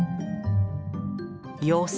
妖精？